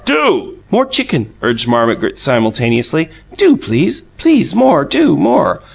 Do!" "More chicken!" urged Margaret simultaneously. "Do please! Please! More! Do! More!"